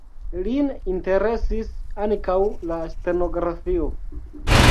Lin interesis ankaŭ la stenografio.